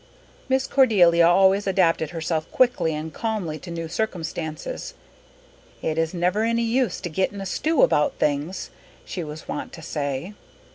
Miss Cordelia always adapted herself quickly and calmly to new circumstances. "It is never any use to get in a stew about things," she was wont to say.